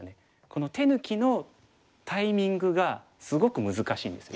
この手抜きのタイミングがすごく難しいんです